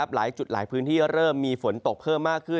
หลายจุดหลายพื้นที่เริ่มมีฝนตกเพิ่มมากขึ้น